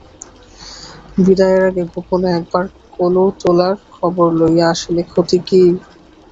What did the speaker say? বিদায়ের আগে গোপনে এক বার কলুটোলার খবর লইয়া আসিলে ক্ষতি কী?